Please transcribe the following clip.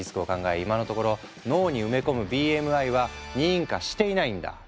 今のところ脳に埋め込むＢＭＩは認可していないんだ。